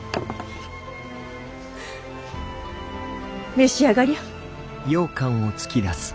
召し上がりゃ。